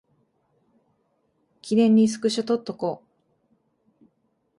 記念にスクショ撮っとこ